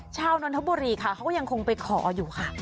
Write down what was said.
นนทบุรีค่ะเขาก็ยังคงไปขออยู่ค่ะ